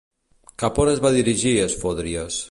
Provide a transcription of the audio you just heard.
Cap a on es va dirigir Esfòdries?